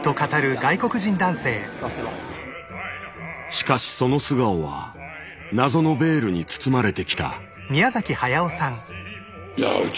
しかしその素顔は謎のベールに包まれてきた。